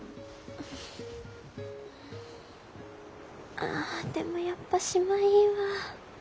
ああでもやっぱ島いいわ。